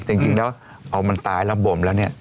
จริงแล้วพอมันตายแล้วบ่มแล้วเนี่ย